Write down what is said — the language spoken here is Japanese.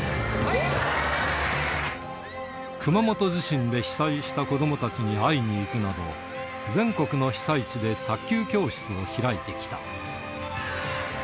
熊本地震で被災した子どもたちに会いに行くなど、全国の被災地で卓球教室を開いてきた。